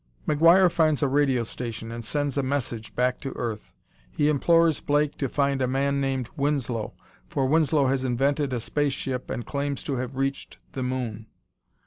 McGuire finds a radio station and sends a message back to Earth. He implores Blake to find a man named Winslow, for Winslow has invented a space ship and claims to have reached the moon.